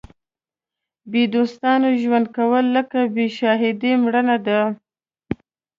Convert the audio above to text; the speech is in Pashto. بې دوستانو ژوند کول لکه بې شاهده مړینه ده.